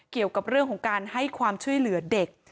เกี่ยวกับเรื่องของการให้ความช่วยเหลือเด็ก